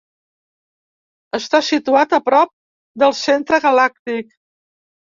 Està situat a prop del Centre Galàctic.